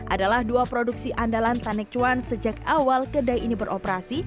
adalah dua produksi andalan tanek cuan sejak awal kedai ini beroperasi